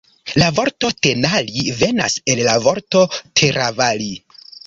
La vorto Tenali venas el la vorto Teravali.